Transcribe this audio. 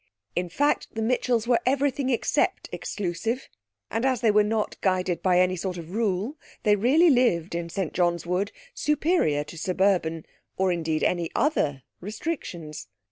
In fact, the Mitchells were everything except exclusive, and as they were not guided by any sort of rule, they really lived, in St John's Wood, superior to suburban or indeed any other restrictions.